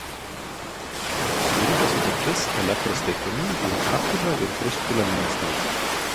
Sudaryta sutartis elektros tiekimui Jekabpilio ir Krustpilio miestams.